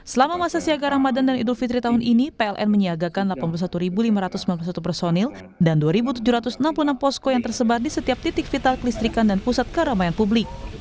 selama masa siaga ramadan dan idul fitri tahun ini pln menyiagakan delapan puluh satu lima ratus sembilan puluh satu personil dan dua tujuh ratus enam puluh enam posko yang tersebar di setiap titik vital kelistrikan dan pusat keramaian publik